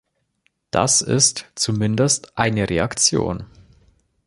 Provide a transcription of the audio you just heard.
Das ist zumindest eine Reaktion.